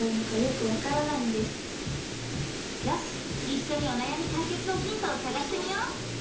いっしょにおなやみ解決のヒントをさがしてみよう！